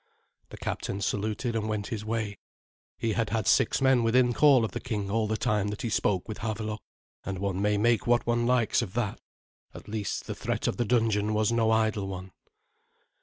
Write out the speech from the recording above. The captain saluted and went his way. He had had six men within call of the king all the time that he spoke with Havelok, and one may make what one likes of that. At least the threat of the dungeon was no idle one.